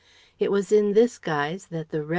It was in this guise that the "Revd."